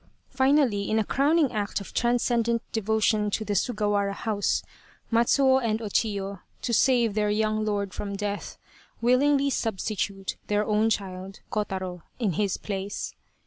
Finally, in a crowning act of transcendent devotion to the Sugawara House, Matsuo and Chiyo, to save their young lord from death, willingly substitute their own child, Kotaro, in his place.